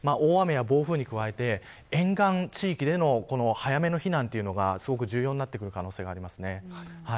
大雨や暴風に加えて沿岸地域での早めの避難というのが重要になってきます。